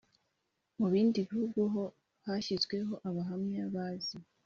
Mu bindi bihugu ho hashyizweho Abahamya bazi